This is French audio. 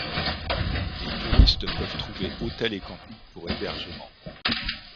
Les touristes peuvent trouver hôtel et camping pour hébergement.